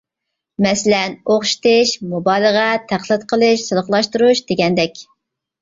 مەسىلەن: ئوخشىتىش، مۇبالىغە، تەقلىد قىلىش، سىلىقلاشتۇرۇش دېگەندەك.